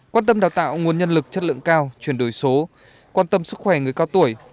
quan tâm đào tạo nguồn nhân lực chất lượng cao chuyển đổi số quan tâm sức khỏe người cao tuổi